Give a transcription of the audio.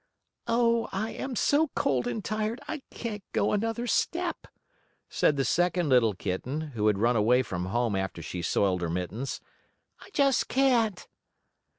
"Oh, I am so cold and tired I can't go another step," said the second little kitten, who had run away from home after she soiled her mittens. "I just can't."